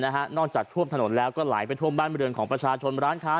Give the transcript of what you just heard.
นอกจากท่วมถนนแล้วก็ไหลไปท่วมบ้านบริเวณของประชาชนร้านค้า